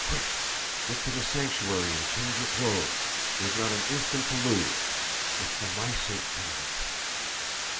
Quick! Get to the Sanctuary and change your clothes. There's not an instant to lose! It's for my sake to night!"